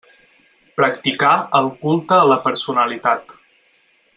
Practicà el culte a la personalitat.